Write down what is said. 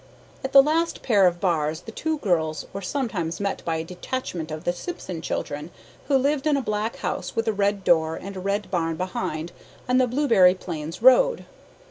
At the last pair of bars the two girls were sometimes met by a detachment of the Simpson children, who lived in a black house with a red door and a red barn behind, on the Blueberry Plains road.